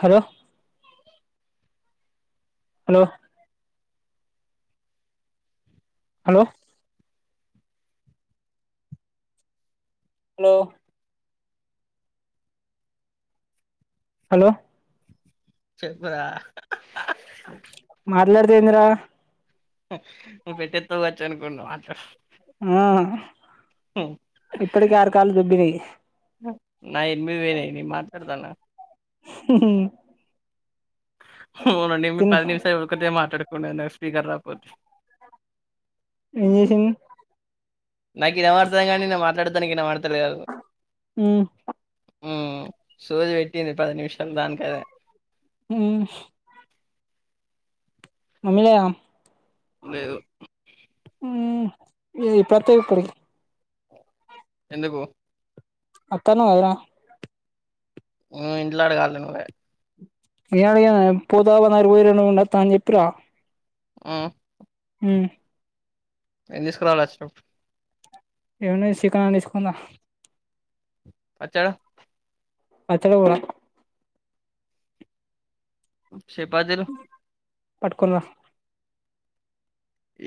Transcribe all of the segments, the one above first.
Hello hello! Hello! Hello! Hello! చెప్పరా అహ్ అహ్ మాట్లాడదేందిరా? నువ్వు పెట్టే కావచ్చు అనుకున్నావు అచ్చహ్ మ్ దుబ్బినాయి నా ఎనిమీవేనే నీ మాట్లాడతాన్నా. హ్ హూ [unintelligible] హు నండి మీ పది నిమిషాలు ఊరకతే మాట్లాడుకుండా నాకు స్పీకర్ రాకపోతే ఏంచేసిండు నాకు వినపడతాంది గాని నేను మాట్లాడనికి వినపడతా లేదు. మ్మ్ సోది పెట్టింది పది నిమిషాలు దానికదే. హ్మ్ మమ్మలయా [unintelligible] బ్వ్ మ్ ప్రతి ఒకరి ఎందుకు అతను అలా ఇంట్లో అడగాలి నువ్వే ఏంఅడిగేది నయ్యా పోతాను పోతను అని ఉండత్తాను అని చెప్పరా. మ్ ఉ ఏం తీసుకురావాలి వచ్చినప్పుడు ఎంఏసి కార్ ఎసుకుందా పచ్చ అక్షర పుర చపాతీలు పట్టుకొని రా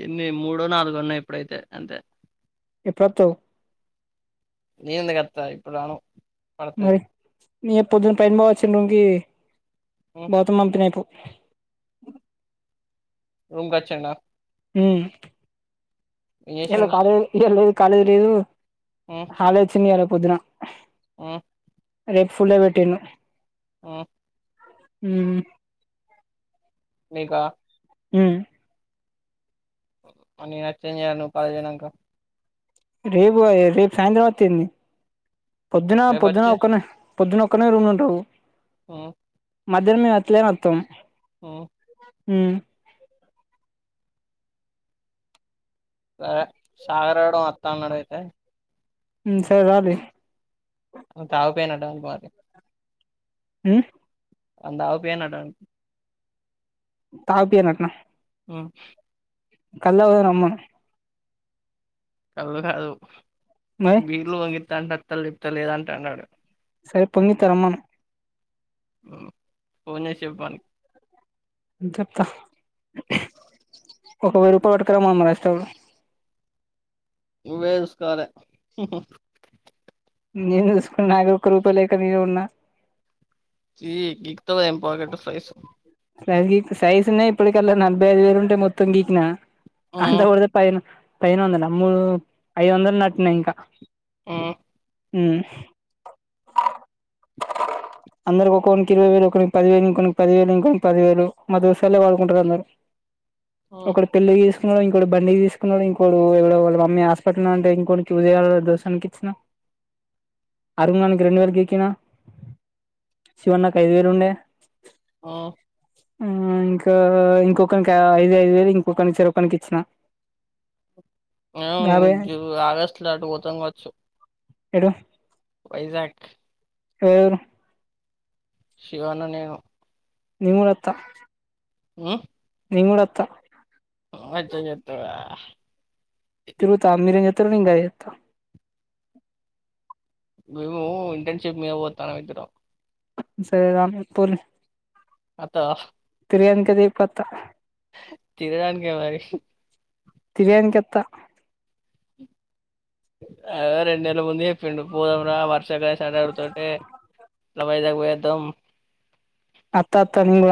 ఎన్ని మూడో నాలుగు ఉన్నాయి ఇప్పుడైతే అంతే ఎప్పుడొస్తావ్ నీంత కత ఇప్పుడున పడత మరి నీ పొద్దున్న పైన బావ వచ్చిన లుంగీ భౌతం పంపినయిపో అ రూంకు అచ్చిండా హు ఏం ఇయాల చేసాడు కాలే ఇయాల కాలేజ్ లేదు హాలిడే వచింది పొద్దునా ఓ రేపు ఫుల్ డే ఓ ఉ మీకా ఉ అనే నచ్చేం చేయాలి నువ్వు పద జనాక రేపు రేపు సాయంత్రం వతింది పొద్దున పొద్దున రేపొచ్చి ఒక్కన పొద్దునక్కనే రూమ్ ఉంటవు ఆ మధ్యహం మీ వత్లే మొత్తం ఆ ఉ సరే సాగరాడం వస్తా అన్నాడ అయితే సరే రైలి తాగిపోయినట్ట అని ఉ అంత తవు పూయియల తాగిపియ్యాలంట ఆ కల్ళవదన అమ్మ కళ్ళు కాదు మరి బీళ్లు వంగిత అంట అత్తలిప్త లేదంటే అన్నాడు సే పొంగిత రమ్మను ఫోన్ చేసి చెప్పనికి చెప్తా ఒక వెయ్యి రూపాయ పట్టుకురామ్మమారి ఇష్ట ఉ వేస్కాలే నేను చూసుకున్నా నాకు ఒక్క రూపాయ లేక నరు ఉన్నా ఈ ఏం పాకెట్ సైజ్ సాజ సాజన్నా ఇప్పటికల్లా నలభై ఐదు వేలు ఉంటే మొత్తం గీకిన అంత కూడాద పైన పను వందలు అమ్ము ఐదు వందలు నట్ ఇంకా ఉ ఉహ్ అందరికి ఒకక్కనికి ఇరవై వేలు ఒకరి పదివేలు ఇంకొక పది వేలు ఇంకొక పది వేలు మా దుసాలే వాడుకుంటారు అందరు ఒకడు పెళ్లిచేసు ఇంకొకడు ఇంకో బండి తీసుకున్నాడు ఇంకొకడు ఇ ఎవడో వాళ్ళ మమ్మీ హాస్పిటల్ అంటే ఇంకో చూసేయాలి దోషానికి ఇచ్చిన అరుంగానికి రెండు వేలు గీకినా శివ అన్నకు ఐదు వేలు ఉండే ఆ ఆ ఇంకా ఇంకొకనికి ఐదు ఐదు వేలు ఇంకొకని ఇచ్చార ఒక్కనికి ఇచ్చినా అవును జూ ఆగస్టు లో అటు పోతా కావచ్చు ఏడు వైజాగ్ ఎవరెవరు శివ అన్న నేను నేను కూడా వత్త ఊహమ్ నేను కూడా వత్త [unintelligible] తిరుగుత మీరంచేతరు నేనుగాచేత [unintelligible] ఇంటర్ షిప్ [unintelligible] సరే రాం పోలే అత్తవా ప్రయానికి [unintelligible] పోత తినడానికే మరి తినేదానిక వత్త అద రెండు నేల ముందే చెప్పిండు పోదాం రా వర్ష గా సండ పడుతుటే అట్లా వైజాగ్ పోయొద్దం అత్త అత్తా నింగ్వ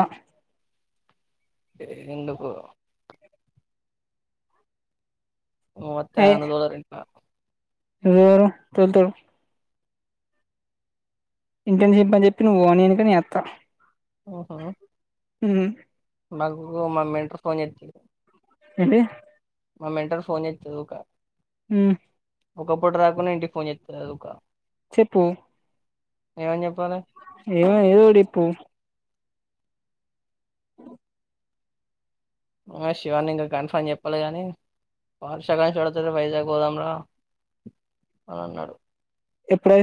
ఏ ఎందుకో అయ్ [unintelligible] [unintelligible] ఇంటర్ షిప్ అని చెప్పి నువ్వు నేనుక నే ఎత్త ఓహో హ్మ్ [unintelligible] మ మేట్ ఫోన్ చేతాది ఏంటి మా మెంటర్ ఫోన్ చేతది ఉ కా హ్మ్మ్ ఒకప్పటి రాకుండా ఇంటికి ఫోన్ చెస్తాది ఉకా చెప్పు ఏమన్ చెప్పాలే ఏ ఏదో ఒకటి! ! ! ! ! ! ! అఓ ఆ శివ ఇంకా కన్ఫామ్ చెప్పాల గాని వార్షగాన్ని చూడతారు వైజాగ్ పోదాంరా అని అన్నాడు ఎప్పుడే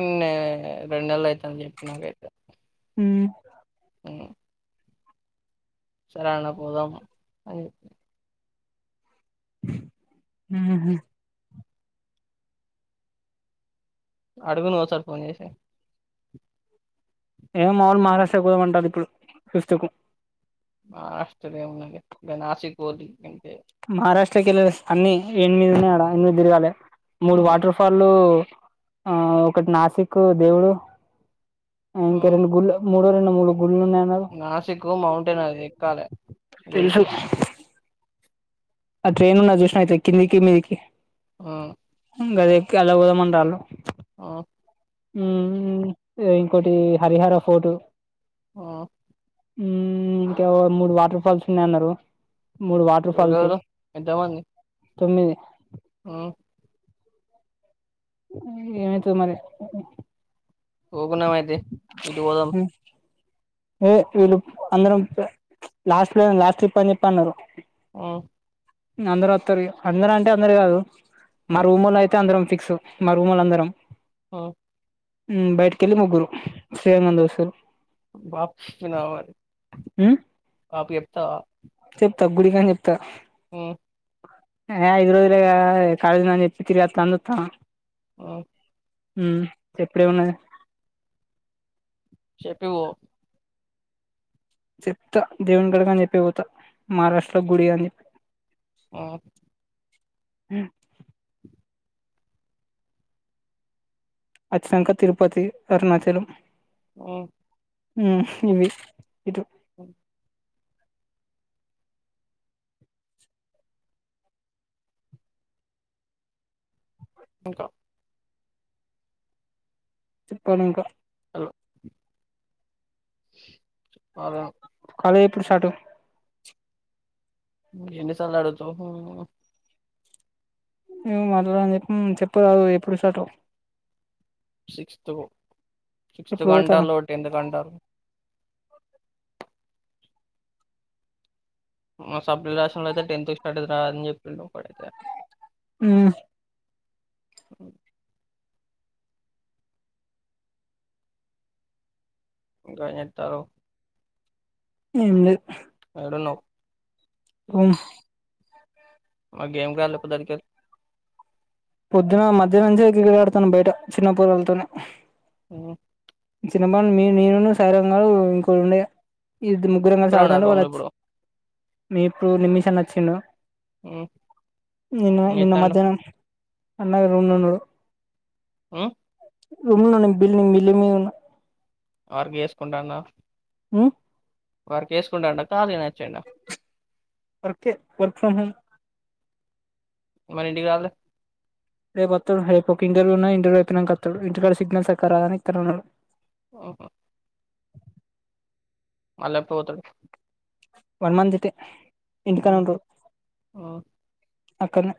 ఉన్నే రెండు నెలలు అయితాంది చెప్పి నాకైతే ఉమ్ స సరే యాడన్న పోదామా అది హ్మ్ ఉం అడుగు నువ్వు ఒకసారి ఫోన్ చేసి ఏం మొల్ మహారాష్ట్ర పోదామంటాది ఇప్పుడు [unintelligible] ఆశ్చర్య [unintelligible] నాసిక్ పోది ఇంక మహారాష్ట్రకిళ్ళ అన్ని ఎనిమిది ఉన్నాయాడా ఎనిమిది తిరగాలి మూడు హ్మ్ వాటర్ ఫాల్లు ఆ ఒకటి నాసిక్ దేవుడు ఇంకా హ్మ్ రెండు గుళ మూడు రెండు మూడు గుళ్ళలు ఉన్నాయన్నారు నాసిక్ మౌంటైన్ అది ఎక్కాలే గుడి తెలుసు ఆ ట్రైన్ ఉన్న చూసినా అయితే కిందికి మీదికి ఆ ఇ గదిక్కి అలా ఉదా [unintelligible] ఆ ఉ ఇంకోటి హరిహర ఫోర్టు ఆ ఇంకా మూడు వాటర్ ఫాల్స్ ఉన్నాయ అన్నారు మూడు వాటర్ ఫాల్స్ ఎవరెవరు ఎంతమంది తొమ్మిధి ఆ ఏమైతే మరి పోకున్నామ అయితే ఇటు పోదాం ఏ వీళ్ళు అందరం లాస్ట్ ప్ లాస్ట్ ట్రిప్ అని చెప్పి అన్నారు ఆ అందరూ అత్తరు ఇగా, అందరూ అంటే అందరు కాదు మా హ్మ్ రూమోలు అయితే అందరం ఫిక్స్ మా రూమోల్లు అందరం ఓ హ్ బయటకెళ్ళి ముగ్గురు శ్రీరంగం దోస్తులు వాప్సు వినా మరి ఉమ్ వాపు చేప్తవా త గుడి కని చెప్తా ఆ ఎ ఐదు రోజులేగా అది కాలేజ్ అని చెప్పి తిరిగత్తా అని చూత్తాన్నా ఓ హ చెప్పుడేమున్నది చెప్పివో చెప్తా దేవుని కాడ్కి అని చెప్పి పోతా, మహారాష్ట్రలో గుడి అని ఆ హ్ అచ్చినంకా తిరుపతి, అరుణాచలం ఆ హ్ ఇవి ఇటు అ ఇంకా చెప్పాలి ఇంకా చెప్పాల కాలెజ్ ఎప్పుడు స్టార్టు ఎన్నిసాల్ల అడుగుతవు ఏమో మాట్లాడని చెప్పి చెప్పరాదు ఎప్పుడు స్టార్టో సిక్స్త్ కు, సిక్స్త్ కు ఎప్పుడు పోతాం అంటాల్లు, టెన్త్కు అంటాల్లు మా సప్లి రాషినోల్లు అయితే టెన్త్ కి స్టార్ట్ అయితదిరా అని చెప్పిల్లు ఉమ్ హ్ ఇంకా ఎంచెత్తాన్నవ్ ఏం లేదు ఏడున్నవ్ రూం మరి [unintelligible] పోద్దటికెల్లి పొద్దున మధ్యానం నుంచే క్రికెట్ ఆడుతాన్నం బయట చిన్న పోరగాలతోని ఉ తినమాను నేను సాయిరాం గాడు ఇంకోడు ఉండేగా ఇది ముగ్గురం గలిసి ఒక్కరే ఉన్నారా ఆడతాంటే రూమ్ వాళ్ళు లో అచ్చు ఇప్పుడు ఇప్పుడు నిమిష్ అన్న వచ్చిండు. హ్మ్ నిన్న ఏం నిన్న చేత్తాండు మధ్యాహ్నం అన్నాడు రూం లో ఉన్నడు ఆ రూం లో ఉన్నడు నేను బిల్లింగ్ బిల్లింగ్ మీద ఉన్నా వర్క్ చేసుకుంటా అన్నావ్ హు వర్కు చేసుకుంటాండా ఖాళీగనే అచ్చిండా వర్కే వర్క్ ఫ్రమ్ హోం మరి ఇంటికి రాలే రేపు అత్తడు రేపు ఒక ఇంటర్వ్యూ ఉన్నది ఇంటర్వ్యూ అయిపోయినంక అత్తడు ఇంటికాడ సిగ్నల్ సక్కగా రాదని ఇక్కడనే ఉన్నడు. ఓహో మళ్ళా పోతాడు వన్ మంత్ కే ఓకే ఓ అక్కన్నే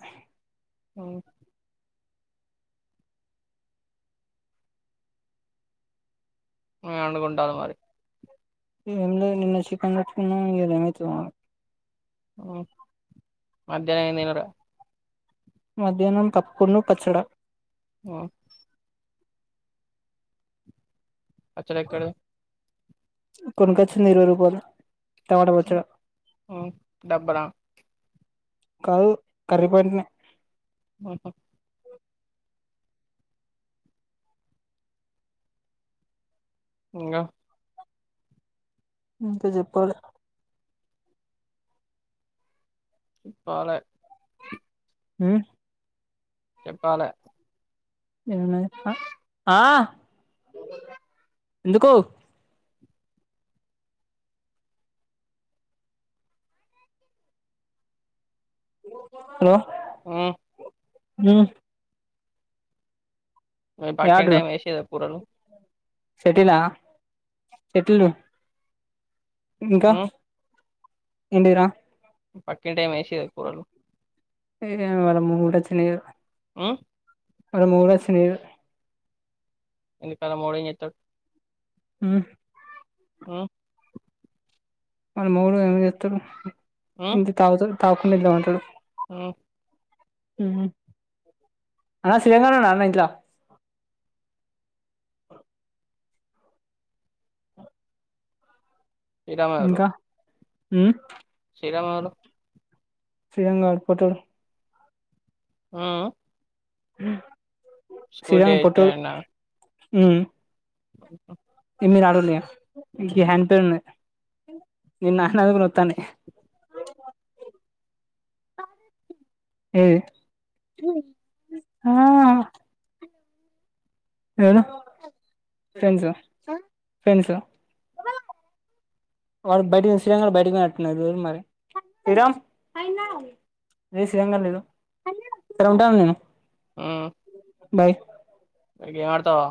నువ్వు [unintelligible] మరి ఏమి లేదు నిన్న చికెన్ తెచ్చుకున్న ఇగ తినచ్చు మరి ఓ మధ్యాహ్నం ఏమి తినరా మధ్యాహ్నం పప్పు ను పచ్చడ ఓ పచ్చడి ఎక్కడిది కొనుకొచ్చినది ఇరవై రూపాయలు టమాటా పచ్చడ ఉ డబ్బనా కాదు కర్రీ పాయింట్ ది ఓహో ఇంగా ఇంకా చెప్పాలే ఇప్పలే ఉ చెప్పాలే ఆ ఎందుకు హలో ఊ హూ మీ పక్కింటి ఆమె ఏసీయాద కూరలు పెట్టిదా పెట్టియదు ఇంకా హ్మ్ ఏంటిరా పక్కింటి ఆమె వేసియదా కూరలు [unintelligible] ఉ ఆమె మొగుడు [unintelligible] ఆమె మొగుడు ఎం చెత్తాడు ఊ ఆ వాళ్ళ మడు ఏం చేస్తాడు ఇంత తాగుత తాగుకుండా వెళ్దామంటాడు ఓ అ శివంగా ఉండ ఇంట్లో [inaudible] హ లో శ్రీలంగ పోటూల్ ఆ అ స్కూటీన్న ఆ ఓక ఏ మీరు రాడలే ఇంక హ్యాండ్ పే ఉన్నా ని నాన్నందుకు నత్తనేే ఏ ఆ ఏనా ఫె ఫ్రెండ్ వాడు బయటికి శ్రీలకడ బయటకిట్టు దూ మరి [unintelligible] మ్ బాయ్ అరెగేమాడతావా